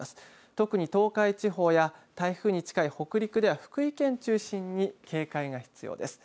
特に東海地方や台風に近い北陸では福井県中心に警戒が必要です。